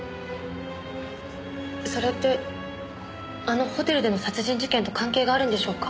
それってあのホテルでの殺人事件と関係があるんでしょうか？